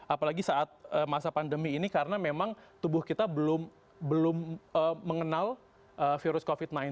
apalagi saat masa pandemi ini karena memang tubuh kita belum mengenal virus covid sembilan belas